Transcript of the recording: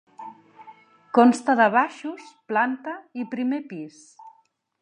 Consta de baixos, planta i primer pis.